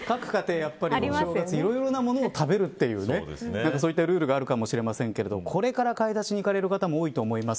やっぱりいろいろなものを食べるというねそういったルールがあるかもしれませんけどこれから買い出しに行かれる方も多いと思います。